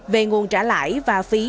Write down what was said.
về nguồn trả lãi và phí